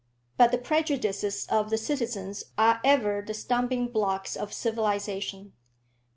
But the prejudices of the citizens are ever the stumbling blocks of civilisation."